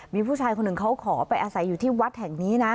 มีผู้ชายคนหนึ่งเขาขอไปอาศัยอยู่ที่วัดแห่งนี้นะ